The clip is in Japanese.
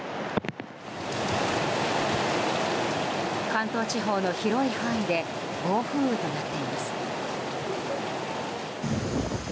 関東地方の広い範囲で暴風雨となっています。